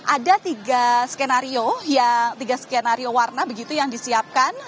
ada tiga skenario tiga skenario warna begitu yang disiapkan